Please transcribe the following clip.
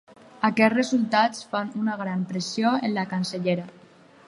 Aquests resultats fan una gran pressió en la cancellera.